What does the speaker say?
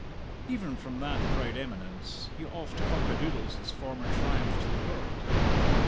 Even from that proud eminence he oft cock a doodles his former triumph to the world.